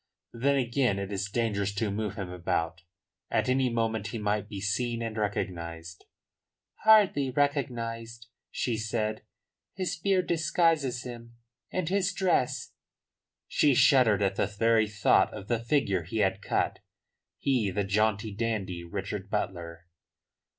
Then again it is dangerous to move him about. At any moment he might be seen and recognised." "Hardly recognised," she said. "His beard disguises him, and his dress " She shuddered at the very thought of the figure he had cut, he, the jaunty, dandy Richard Butler.